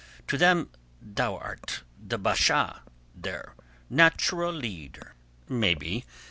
To them thou art the Basha, their natural leader." "Maybe.